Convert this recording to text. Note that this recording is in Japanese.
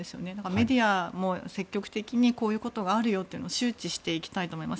メディアも積極的にこういうことがあるよっていうことを周知していきたいと思います。